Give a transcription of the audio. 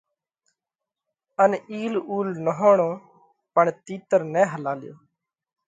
ان اِيل اُول نهوڻو پڻ تِيتر نہ هلاليو